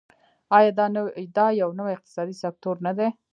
آیا دا یو نوی اقتصادي سکتور نه دی؟